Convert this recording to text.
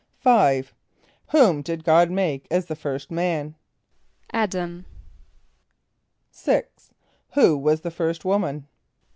= =5.= Whom did God make as the first man? =[)A]d´[)a]m.= =6.= Who was the first woman?